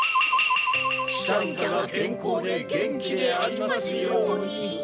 喜三太が健康で元気でありますように。